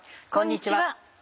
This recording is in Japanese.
こんにちは。